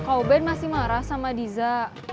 kau ben masih marah sama diza